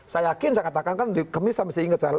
saya yakin saya katakan kan di kemis saya mesti ingat